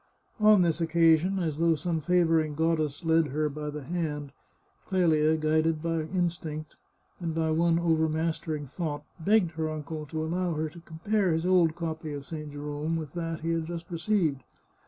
On this occasion, as though some favouring goddess led her by the hand, Clelia, guided by instinct, and by one overmastering thought, begged her uncle to allow her to compare his old copy of St. Jerome with that he had just received.